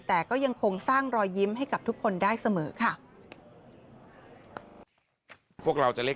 แต่ก็ยังคงสร้างรอยยิ้มให้กับทุกคนได้เสมอค่ะ